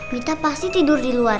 mita pasti tidur di luar